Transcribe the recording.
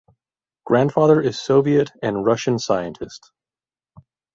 Grandfather is Soviet and Russian scientist.